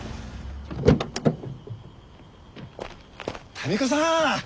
民子さん